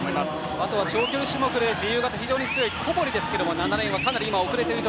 あとは長距離種目で自由形、非常に強い７レーンの小堀かなり遅れている。